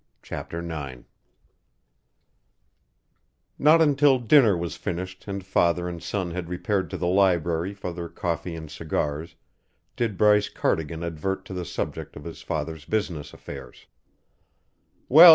CHAPTER IX Not until dinner was finished and father and son had repaired to the library for their coffee and cigars did Bryce Cardigan advert to the subject of his father's business affairs.